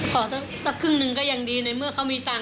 สักครึ่งหนึ่งก็ยังดีในเมื่อเขามีตังค์